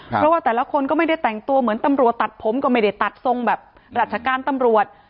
เพราะว่าแต่ละคนก็ไม่ได้แต่งตัวเหมือนตำรวจตัดผมก็ไม่ได้ตัดทรงแบบราชการตำรวจ